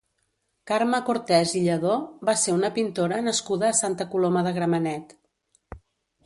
Carme Cortès i Lladó va ser una pintora nascuda a Santa Coloma de Gramenet.